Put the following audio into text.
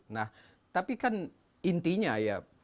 nah tapi kan intinya ya